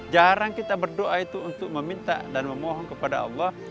jarang kita berdoa itu untuk meminta dan memohon kepada allah